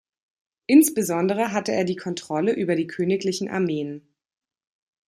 Insbesondere hatte er die Kontrolle über die königlichen Armeen.